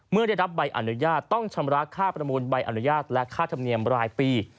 เมื่อได้รับใบอนุญาตต้องชำระค่าประมูลใบอนุญาตและค่าธรรมเนียมรายปี